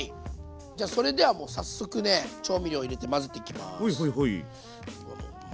じゃあそれではもう早速ね調味料入れて混ぜていきます。